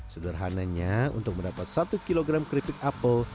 sederhananya untuk mendapat satu kg keripik apel